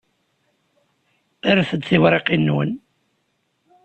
Rret-d tiwriqin-nwen.